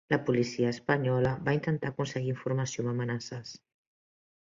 La policia espanyola va intentar aconseguir informació amb amenaces